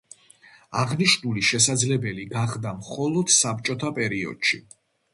აღნიშნული შესაძლებელი გახდა მხოლოდ საბჭოთა პერიოდში.